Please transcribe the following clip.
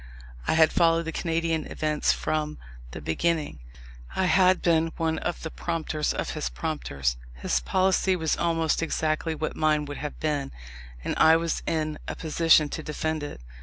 I had followed the Canadian events from the beginning; I had been one of the prompters of his prompters; his policy was almost exactly what mine would have been, and I was in a position to defend it.